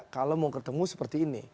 kalau mau ketemu seperti ini